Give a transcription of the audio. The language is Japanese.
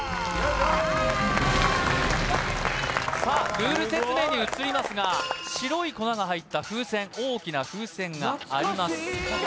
さあルール説明に移りますが白い粉が入った風船大きな風船があります